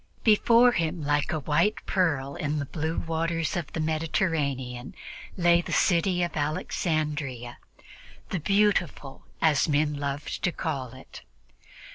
Before him, like a white pearl in the blue waters of the Mediterranean, lay the city of Alexandria "the beautiful," as men loved to call it.